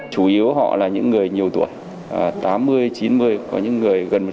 chủ yếu họ là những người nhiều tuổi tám mươi chín mươi có những người gần một trăm linh tuổi